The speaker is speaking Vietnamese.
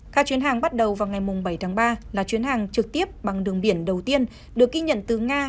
các chuyến hàng bắt đầu vào ngày bảy tháng ba là chuyến hàng trực tiếp bằng đường biển đầu tiên được ghi nhận từ nga